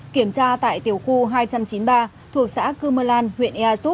kiểm tra tại tiểu khu hai trăm chín mươi ba thuộc xã cư mơ lan huyện ea súp